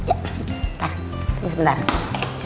sebentar cus taro tasnya